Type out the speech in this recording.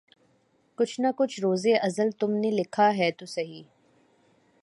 کچھ نہ کچھ روزِ ازل تم نے لکھا ہے تو سہی